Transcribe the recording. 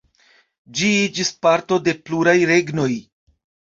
Ĝi iĝis parto de pluraj regnoj.